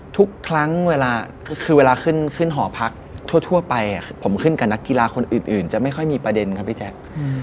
ทุกครั้งเวลาคือเวลาขึ้นหอพักทั่วไปผมขึ้นกับนักกีฬาคนอื่นจะไม่ค่อยมีประเด็นครับพี่แจ๊ค